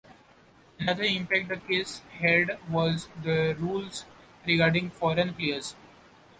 Another impact the case had was the rules regarding foreign players.